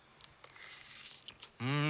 うん！